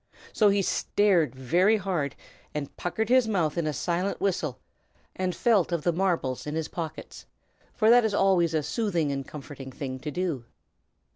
So he stared very hard, and puckered his mouth in a silent whistle, and felt of the marbles in his pockets, for that is always a soothing and comforting thing to do.